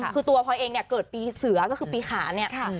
คือตัวพลอยเองเนี่ยเกิดปีเสือก็คือปีขาเนี่ย